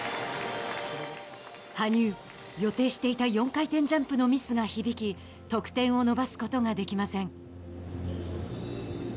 羽生、予定していた４回転ジャンプのミスが響き得点を伸ばすことができません。